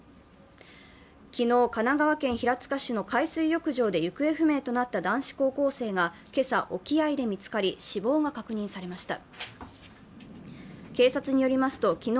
昨日、神奈川県平塚市の海水浴場で行方不明となった男子高校生が今朝沖合で見つかり死亡が確認されました。